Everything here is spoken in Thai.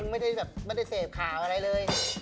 คือมึงไม่ได้เสพข่าวอะไรเลย